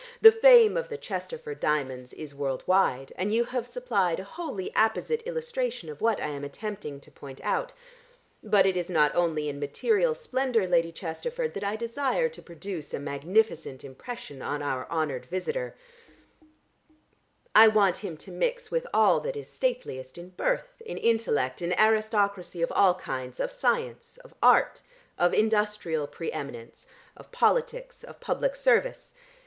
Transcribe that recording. "The fame of the Chesterford diamonds is world wide, and you have supplied a wholly apposite illustration of what I am attempting to point out. But it is not only in material splendour, Lady Chesterford, that I desire to produce a magnificent impression on our honoured visitor; I want him to mix with all that is stateliest in birth, in intellect, in aristocracy of all kinds, of science, of art, of industrial pre eminence, of politics, of public service.